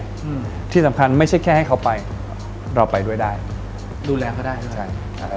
แต่ที่สำคัญไม่ใช่แค่ให้เขาไปเราไปด้วยได้ดูแลเขาได้ด้วยได้